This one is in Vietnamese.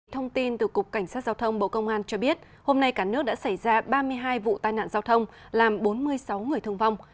thông tin từ cục cảnh sát giao thông bộ công an cho biết hôm nay cả nước đã xảy ra ba mươi hai vụ tai nạn giao thông làm bốn mươi sáu người thương vong